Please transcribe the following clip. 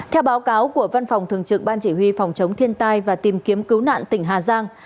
theo báo cáo của văn phòng thường trực ban chỉ huy phòng chống thiên tai và tìm kiếm cứu nạn tỉnh hà giang